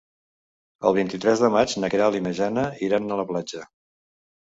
El vint-i-tres de maig na Queralt i na Jana iran a la platja.